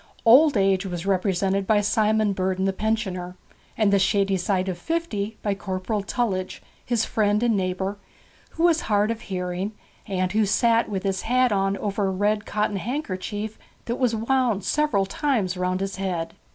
Old age was represented by Simon Burden the pensioner, and the shady side of fifty by Corporal Tullidge, his friend and neighbour, who was hard of hearing, and sat with his hat on over a red cotton handkerchief that was wound several times round his head.